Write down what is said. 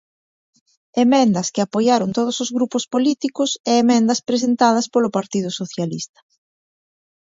Emendas que apoiaron todos os grupos políticos e emendas presentadas polo Partido Socialista.